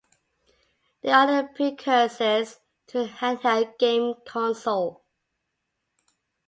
They are the precursors to the handheld game console.